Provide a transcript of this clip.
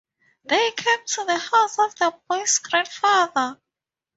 They came to the house of the boy's grandfather.